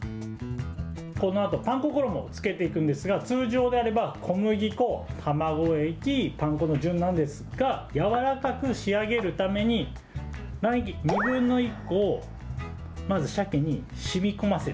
このあとパン粉衣をつけていくんですが、通常であれば小麦粉、卵液、パン粉の順なんですが、柔らかく仕上げるために、卵液２分の１個をまずさけにしみこませる。